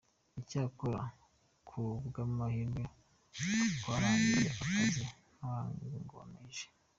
Icyakora ku bw’amahirwe twarangije akazi nta ngona ije.